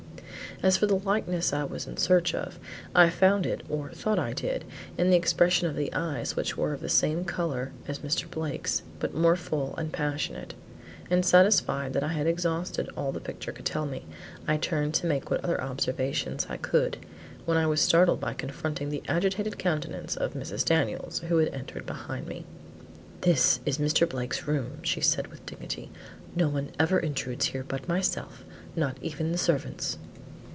As for the likeness I was in search of, I found it or thought I did, in the expression of the eyes which were of the same color as Mr. Blake's but more full and passionate; and satisfied that I had exhausted all the picture could tell me, I turned to make what other observations I could, when I was startled by confronting the agitated countenance of Mrs. Daniels who had entered behind me. "This is Mr. Blake's room," said she with dignity; "no one ever intrudes here but myself, not even the servants."